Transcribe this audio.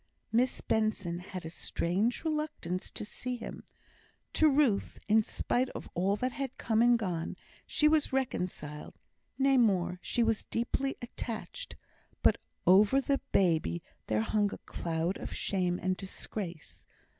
Miss Benson had a strange reluctance to see him. To Ruth, in spite of all that had come and gone, she was reconciled nay, more, she was deeply attached; but over the baby there hung a cloud of shame and disgrace.